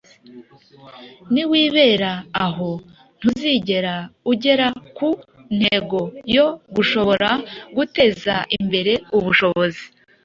Niwibera aho, ntuzigera ugera ku ntego yo gushobora guteza imbere ubushobozi